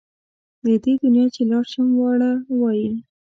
له دې دنیا چې لاړ شم واړه وایي.